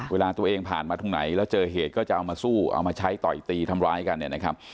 เวลาตัวเองผ่านมาตรงไหนแล้วเจอเหตุก็จะเอามาสู้เอามาใช้ต่อยตีทำร้ายกันเนี่ยนะครับ